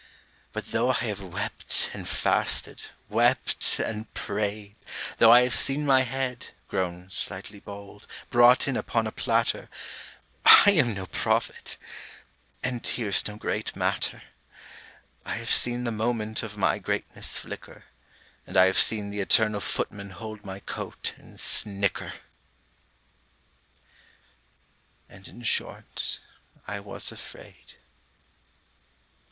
But though I have wept and fasted, wept and prayed, Though I have seen my head (grown slightly bald) brought in upon a platter, I am no prophet and hereâs no great matter; I have seen the moment of my greatness flicker, And I have seen the eternal Footman hold my coat, and snicker, And in short, I was afraid.